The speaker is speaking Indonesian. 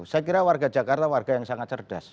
saya kira warga jakarta warga yang sangat cerdas